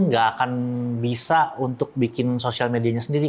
tidak akan bisa untuk membuat sosial media sendiri